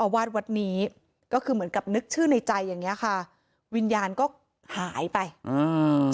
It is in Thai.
วาดวัดนี้ก็คือเหมือนกับนึกชื่อในใจอย่างเงี้ยค่ะวิญญาณก็หายไปอ่า